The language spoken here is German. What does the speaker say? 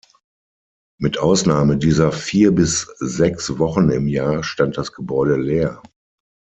Mit Ausnahme dieser vier bis sechs Wochen im Jahr stand das Gebäude leer.